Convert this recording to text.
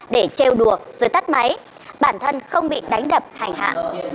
để treo đùa dưới tắt máy bản thân không bị đánh đập hành hạ